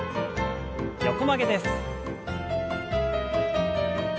横曲げです。